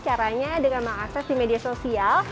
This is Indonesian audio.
caranya dengan mengakses di media sosial